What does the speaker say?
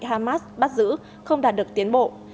hamas bắt giữ không đạt được tiến bộ